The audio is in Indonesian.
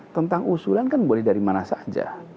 tentang usulan kan boleh dari mana saja